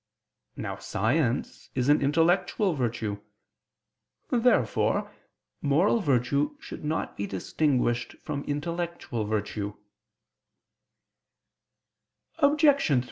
Now science is an intellectual virtue. Therefore moral virtue should not be distinguished from intellectual virtue.